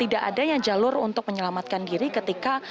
tidak adanya jalur untuk menyelamatkan diri ketika